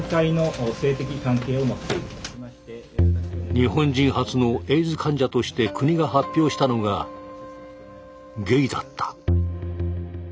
日本人初のエイズ患者として国が発表したのがゲイだった。